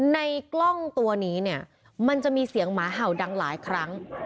ในกล้องตัวนี้เนี่ยมันจะมีเสียงหมาเห่าดังหลายครั้ง